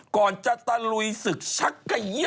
ก่อนจะตะลุยศึกชักเกยี้ย